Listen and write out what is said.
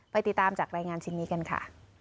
ติดตามจากรายงานชิ้นนี้กันค่ะ